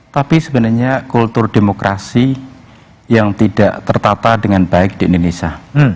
tapi sebenarnya kultur demokrasi yang tidak tertata dengan baik di indonesia